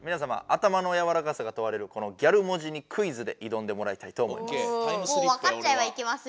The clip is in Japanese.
頭のやわらかさがとわれるこのギャル文字にクイズでいどんでもらいたいと思います。